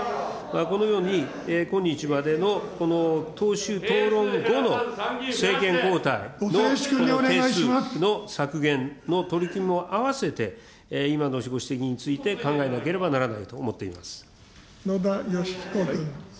このように今日までのこの党首討論後の政権交代、議員定数の削減の取り組みも併せて、今のご指摘について考えなけ野田佳彦君。